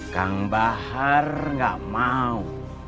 kang bahar gak mau